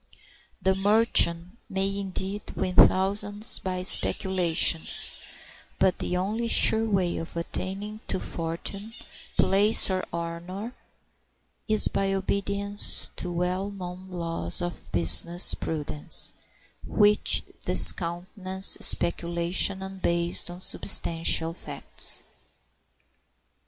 The merchant may, indeed, win thousands by speculations; but the only sure way of attaining to fortune, place, or honor is by obedience to well known laws of business prudence, which discountenance speculation unbased on substantial facts.